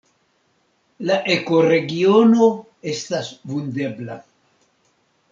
La ekoregiono estas vundebla.